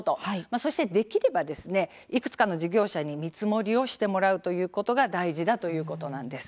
そしてできればいくつかの事業者に見積もりをしてもらうことが大事だということです。